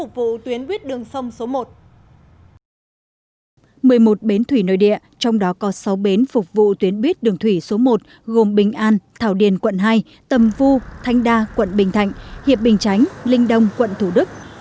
một mươi một bến thủy nơi địa trong đó có sáu bến phục vụ tuyến buýt đường thủy số một gồm bình an thảo điền quận hai tầm vu thanh đa quận bình thạnh hiệp bình chánh linh đông quận thủ đức